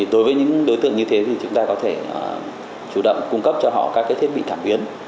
đối với những đối tượng như thế thì chúng ta có thể chủ động cung cấp cho họ các thiết bị cảm biến